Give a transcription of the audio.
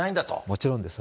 もちろんです。